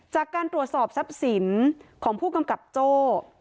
จากการตรวจสอบทรัพย์สินของผู้กำกับโจ้